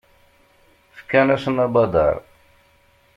Fkan-asen abadaṛ.